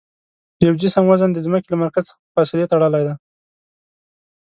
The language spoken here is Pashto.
د یوه جسم وزن د ځمکې له مرکز څخه په فاصلې تړلی دی.